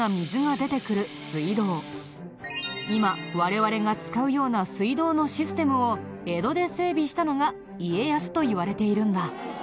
今我々が使うような水道のシステムを江戸で整備したのが家康といわれているんだ。